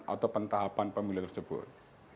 atau pentahapan pemilu tersebut